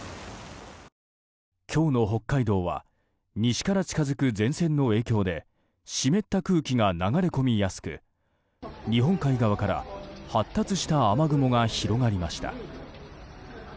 今日の北海道は西から近づく前線の影響で湿った空気が流れ込みやすく日本海側から発達した雨雲が広がりました。